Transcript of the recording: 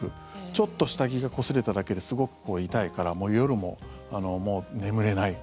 ちょっと下着がこすれただけですごく痛いから夜も眠れない。